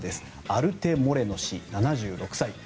アルテ・モレノ氏７６歳。